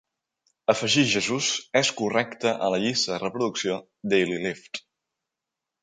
Afegir jesús és correcte a la llista de reproducció Daily Lift.